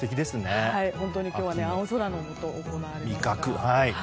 本当に今日は青空の下行われました。